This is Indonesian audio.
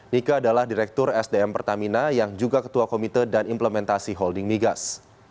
nike adalah direktur sdm pertamina yang juga ketua komite dan implementasi holding migas